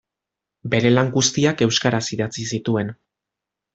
Bere lan guztiak euskaraz idatzi zituen.